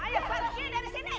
ayo pergi dari sini